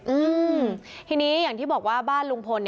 อืมทีนี้อย่างที่บอกว่าบ้านลุงพล